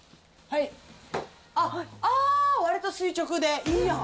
あっ、あー、わりと垂直で、いいやん。